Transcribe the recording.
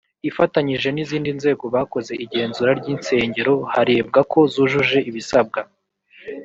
Ifatanyije n izindi nzego bakoze igenzura ry insengero harebwa ko zujuje ibisabwa